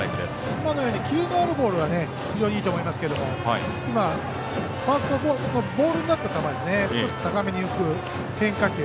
今のようにキレのあるボールは非常にいいと思いますけどファーストのボールになった球少し高めに浮く変化球